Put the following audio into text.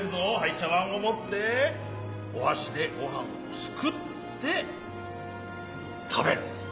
ちゃわんをもっておはしでごはんをすくってたべる。